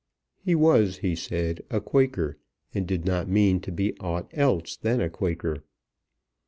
He was he said a Quaker, and did not mean to be aught else than a Quaker.